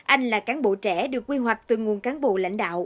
anh là cán bộ trẻ được quy hoạch từ nguồn cán bộ lãnh đạo